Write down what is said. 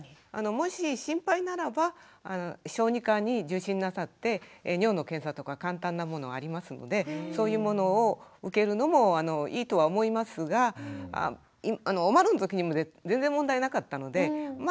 もし心配ならば小児科に受診なさって尿の検査とか簡単なものありますのでそういうものを受けるのもいいとは思いますがおまるのときにも全然問題なかったので大丈夫じゃないかとは思いますけどね。